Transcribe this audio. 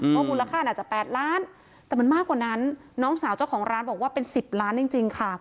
เพราะมูลค่าอาจจะ๘ล้านแต่มันมากกว่านั้นน้องสาวเจ้าของร้านบอกว่าเป็น๑๐ล้านจริงค่ะ